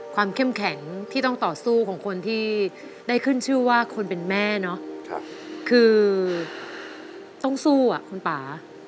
เข้มแข็งที่ต้องต่อสู้ของคนที่ได้ขึ้นชื่อว่าคนเป็นแม่เนาะคือต้องสู้อ่ะคุณป่า